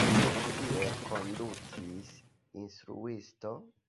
Kiel kondutis la instruisto?